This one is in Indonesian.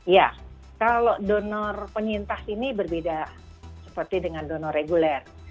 ya kalau donor penyintas ini berbeda seperti dengan donor reguler